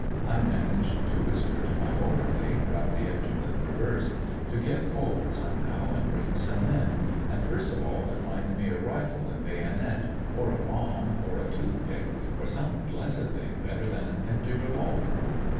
I managed to whisper to my orderly, round the edge of the traverse, to get forward somehow and bring some men, and first of all to find me a ifle and bayonet, or a bomb, or a toothpick, or some blessed thing better than an empty revolver.